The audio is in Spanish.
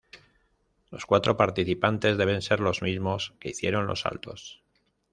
Los cuatro participantes deben ser los mismos que hicieron los saltos.